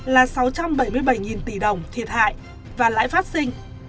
là sáu trăm bảy mươi bảy tỷ đồng thiệt hại và lãi phát sinh